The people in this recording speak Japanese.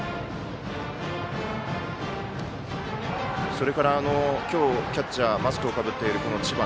それから今日、キャッチャーマスクをかぶっている知花。